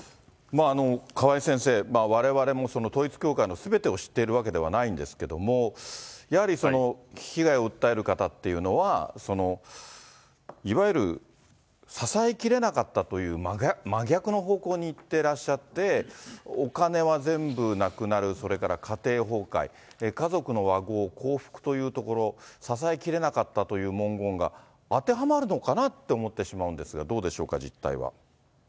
まあ、川井先生、われわれも統一教会のすべてを知っているわけではないんですけれども、やはり被害を訴える方っていうのは、いわゆる支えきれなかったという真逆の方向にいってらっしゃって、お金は全部なくなる、それから家庭崩壊、家族の和合、幸福というところ、支えきれなかったという文言が当てはまるのかなって思ってしまうんですけれども、どうでしょうか、実態は。